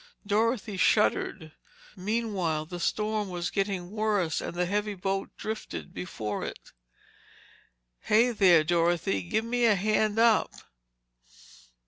Dorothy shuddered. Meanwhile, the storm was getting worse and the heavy boat drifted before it. "Hey, there, Dorothy! Give me a hand up!"